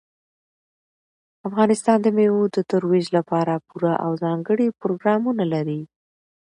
افغانستان د مېوو د ترویج لپاره پوره او ځانګړي پروګرامونه لري.